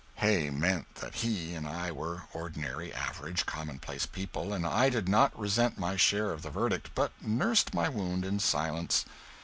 Hay meant that he and I were ordinary average commonplace people, and I did not resent my share of the verdict, but nursed my wound in silence.